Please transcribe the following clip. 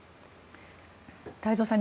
太蔵さん